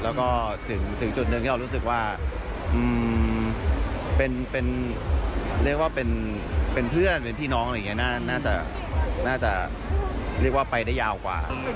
แล้วก็ถึงจุดหนึ่งที่เรารู้สึกว่าเป็นเรียกว่าเป็นเพื่อนเป็นพี่น้องอะไรอย่างนี้น่าจะเรียกว่าไปได้ยาวกว่า